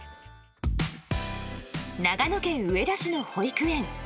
長野県上田市の保育園。